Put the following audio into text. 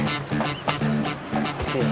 pasti ngerti dulu kak kang